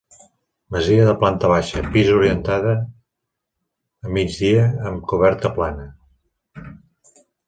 Masia de planta baixa, pis orientada a migdia amb coberta plana.